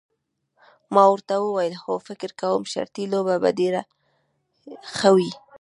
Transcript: ما ورته وویل هو فکر کوم شرطي لوبه به ډېره ښه وي.